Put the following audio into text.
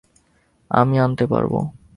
আমি আনতে পারব।